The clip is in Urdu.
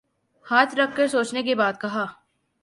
ہاتھ رکھ کر سوچنے کے بعد کہا۔